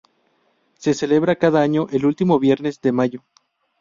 Se celebra cada año el último viernes de mayo.